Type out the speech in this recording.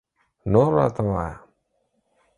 نور راته ووایه